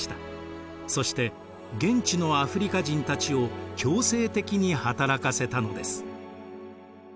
そして現地のアフリカ人たちを強制的に働かせたのです。